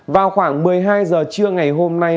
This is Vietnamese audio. vào khoảng một mươi hai h trưa ngày hôm nay